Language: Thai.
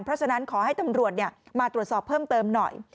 เพราะฉะนั้นขอให้ตำรวจมาตรวจสอบเพิ่มเติมหน่อย